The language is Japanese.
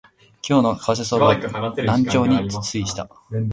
今日の為替相場は軟調に推移した